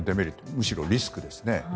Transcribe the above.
むしろリスクですね。